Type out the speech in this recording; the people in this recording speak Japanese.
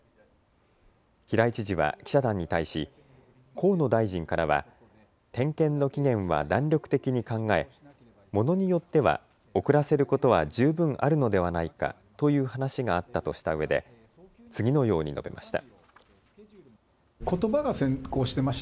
平井知事は記者団に対し河野大臣からは点検の期限は弾力的に考え、ものによっては遅らせることは十分あるのではないかという話があったとしたうえで次のように述べました。